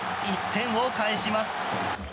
１点を返します。